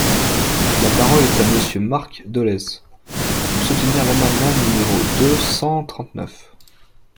La parole est à Monsieur Marc Dolez, pour soutenir l’amendement numéro deux cent trente-neuf.